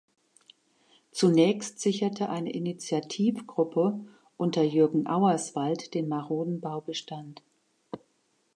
Zunächst sicherte eine Initiativgruppe unter Jürgen Auerswald den maroden Baubestand.